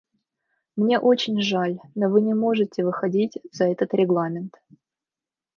Мне очень жаль, но Вы не можете выходить за этот регламент.